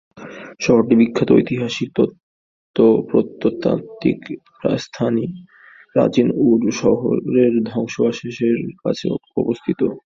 শহরটি বিখ্যাত ঐতিহাসিক প্রত্নতাত্ত্বিক স্থান প্রাচীন উর শহরের ধ্বংসাবশেষের কাছে অবস্থিত।